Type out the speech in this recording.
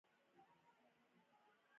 یو سل او نهه نوي یمه پوښتنه د انفصال حالت دی.